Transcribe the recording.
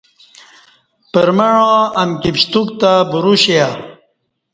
پرمعاں امکی پشتوک تہ بروشیا